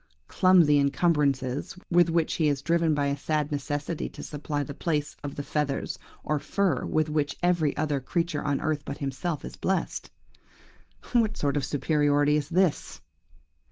Clumsy incumbrances, with which he is driven by a sad necessity to supply the place of the feathers or fur with which every other creature on earth but himself is blessed. What sort of superiority is this?